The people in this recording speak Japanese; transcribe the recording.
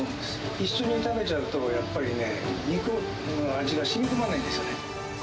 一緒に炒めちゃうとやっぱりね、肉に味がしみこまないんですよ。